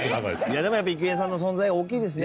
いやでもやっぱ郁恵さんの存在が大きいですね